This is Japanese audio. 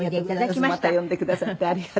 また呼んでくださってありがとう。